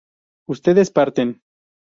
ustedes parten